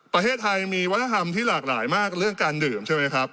ประเทศไทยมีวัฒนธรรมที่หลากหลายมากเรื่องการดื่มใช่ไหมครับ